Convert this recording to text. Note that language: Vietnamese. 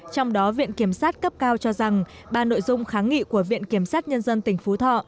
trong đó viện kiểm sát cấp cao cho rằng ba nội dung kháng nghị của viện kiểm sát nhân dân tỉnh phú thọ